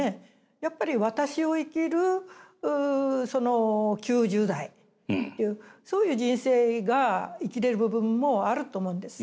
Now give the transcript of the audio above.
やっぱり私を生きるその９０代というそういう人生が生きれる部分もあると思うんです。